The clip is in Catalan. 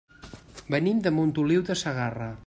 Venim de Montoliu de Segarra.